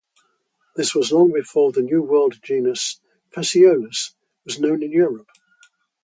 This was long before the New World genus "Phaseolus" was known in Europe.